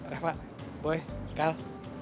baik pak boy kal